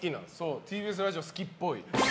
ＴＢＳラジオ好きっぽい。